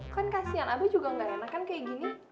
kan kasian abah juga gak enak kan kayak gini